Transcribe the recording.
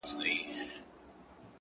• چي د پیغلوټو په ټالونو ښایستې وي وني -